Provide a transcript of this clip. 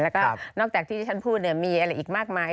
แล้วก็นอกจากที่ที่ฉันพูดมีอะไรอีกมากมาย